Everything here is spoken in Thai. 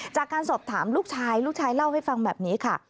จากการสอบถามลูกชายลูกชายเล่าให้ฟังแบบนี้ค่ะ